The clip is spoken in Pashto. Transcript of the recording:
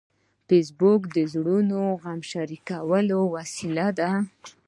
فېسبوک د زړونو د غم شریکولو وسیله ده